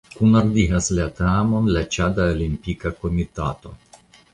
Kunordigas la teamon la Ĉada Olimpika Komitato.